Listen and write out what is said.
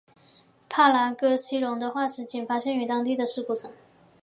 帕拉克西龙的化石仅发现于当地的尸骨层。